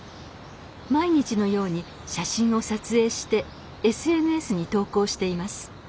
毎日のように写真を撮影してＳＮＳに投稿しています。